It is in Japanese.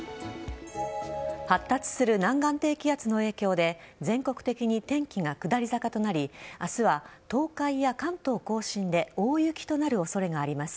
発達する南岸低気圧の影響で全国的に天気が下り坂となり明日は東海や関東甲信で大雪となる恐れがあります。